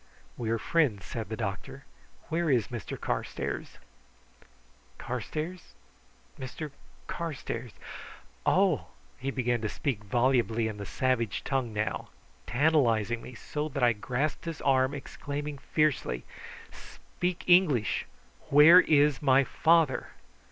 "We are friends," said the doctor. "Where is Mr Carstairs?" "Carstairs? Mr Carstairs?" he said. "Ah " He began to speak volubly in the savage tongue now, tantalising me so that I grasped his arm, exclaiming fiercely: "Speak English. Where is my father?"